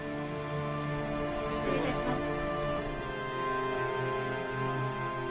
失礼致します。